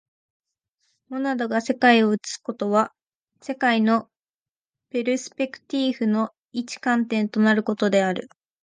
モナドが世界を映すことは、世界のペルスペクティーフの一観点となることである。